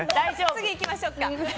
次いきましょうか。